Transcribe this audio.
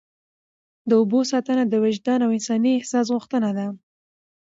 د اوبو ساتنه د وجدان او انساني احساس غوښتنه ده.